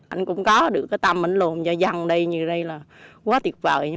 anh cũng có được tâm lồn gia dân như đây là quá tuyệt vời